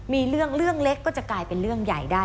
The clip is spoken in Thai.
มีเรื่องเรื่องเล็กก็จะกลายเป็นเรื่องใหญ่ได้